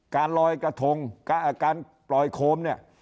การลอยกระทงการปล่อยโคมเนี่ย